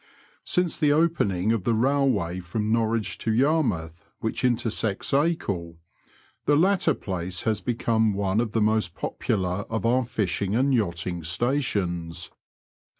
Since the opening of the railway from Norwich to Yarmouth which intersects Acle, the latter place has become one of the most popular of our fishing and yachting stations.